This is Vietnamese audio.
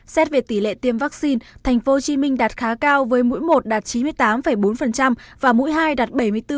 xét về tỷ lệ tiêm vaccine thành phố hồ chí minh đạt khá cao với mũi một đạt chín mươi tám bốn và mũi hai đạt bảy mươi bốn năm